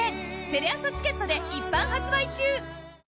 テレ朝チケットで一般発売中。